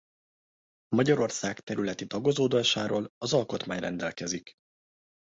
Magyarország területi tagozódásáról az Alkotmány rendelkezik.